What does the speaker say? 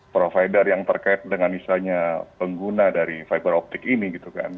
provider yang terkait dengan misalnya pengguna dari fiber optik ini gitu kan